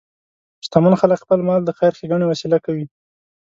شتمن خلک خپل مال د خیر ښیګڼې وسیله کوي.